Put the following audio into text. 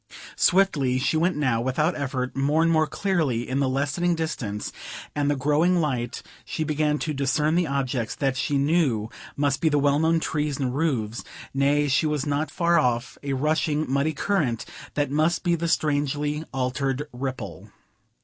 Swiftly she went now without effort; more and more clearly in the lessening distance and the growing light she began to discern the objects that she knew must be the well known trees and roofs; nay, she was not far off a rushing, muddy current that must be the strangely altered Ripple.